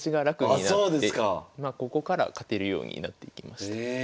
ここから勝てるようになっていきました。